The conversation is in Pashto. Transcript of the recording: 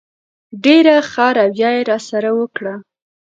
ډېره ښه رویه یې راسره وکړه.